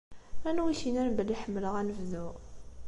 Anwa i ak-innan belli ḥemmleɣ anebdu?